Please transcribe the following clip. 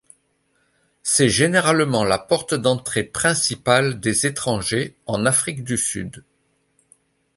C’est généralement la porte d’entrée principale des étrangers en Afrique du Sud.